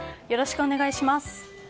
よろしくお願いします。